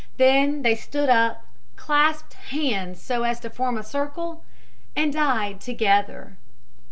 Then they stood up, clasped hands so as to form a circle and died together.